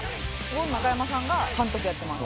「ゴン中山さんが監督やってます」